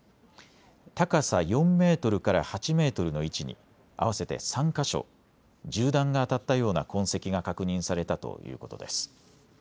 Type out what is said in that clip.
高さ４メートルから８メートルの位置に合わせて３か所、銃弾が当たったような痕跡が確認されたということです。